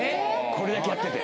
これだけやってて？